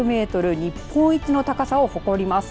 日本一の高さを誇ります。